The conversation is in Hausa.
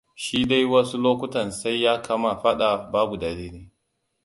Shi dai wasu lokutan sai ya kama fada babu dalili.